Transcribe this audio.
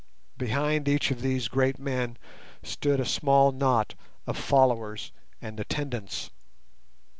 Behind each of these great men stood a small knot of followers and attendants.